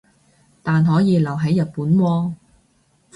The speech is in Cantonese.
但可以留係日本喎